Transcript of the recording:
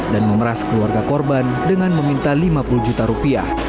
dan memeras keluarga korban dengan meminta lima puluh juta rupiah